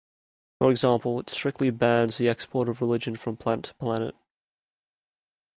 For example, it strictly bans the export of religion from planet to planet.